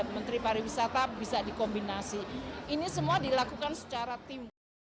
menteri pariwisata bisa dikombinasi ini semua dilakukan secara timbul